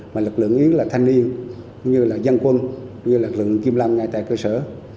mà lực lượng yếu là thanh niên như là dân quân như là lực lượng kiêm lâm ngay tại cơ sở